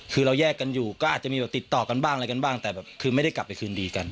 คือเราแยกกันอยู่ก็อาจจะมีแบบติดต่อกันบ้างอะไรกันบ้างแต่แบบคือไม่ได้กลับไปคืนดีกัน